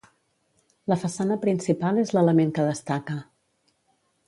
La façana principal és l'element que destaca.